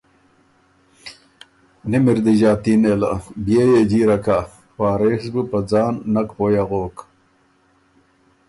نِم اِر دی ݫاتي نېله، بيې يې جیره کۀ“ وارث بُو په ځان نک پویٛ اغوک،